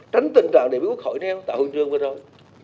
tránh tình trạng đề bí quốc hội nè tạo hương trương với rối